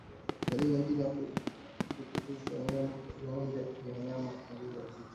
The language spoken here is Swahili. Dalili nyingine ya ukurutu kwa ngoombe ni mnyama kupungua uzito kutokana na ulaji hafifu